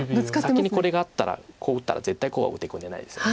先にこれがあったらこう打ったら絶対こうは打ってくれないですよね。